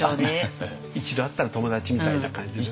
「一度会ったら友だち」みたいな感じの。